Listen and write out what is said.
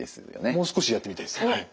もう少しやってみたいですはい。